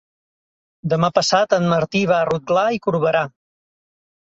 Demà passat en Martí va a Rotglà i Corberà.